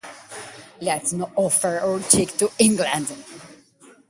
Let's not offer our cheek to England.